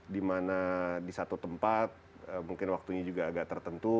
dimana di satu tempat mungkin waktunya juga agak tertentu